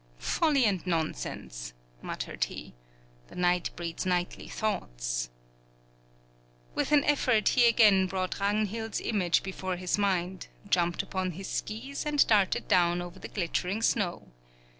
"Folly and nonsense," muttered he; "the night breeds nightly thoughts!" With an effort he again brought Ragnhild's image before his mind, jumped upon his skees, and darted down over the glittering snow.